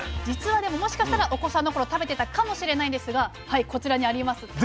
じつはでももしかしたらお子さんの頃食べてたかもしれないんですがはいこちらにあります。